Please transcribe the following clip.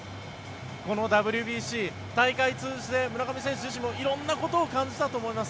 このＷＢＣ、大会通じて村上選手自身もいろんなことを感じたと思います。